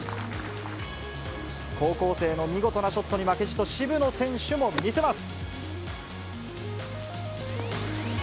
高校生の見事なショットに負けじと、渋野選手も見せます。